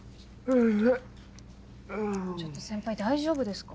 ちょっと先輩大丈夫ですか？